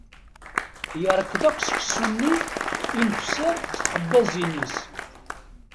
Yerkeḍ akk seksu-nni i nefser s txabbazin-is.